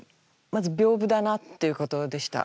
まず屏風だなっていうことでした。